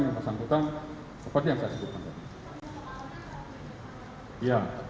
yang bersangkutan seperti yang saya sebutkan tadi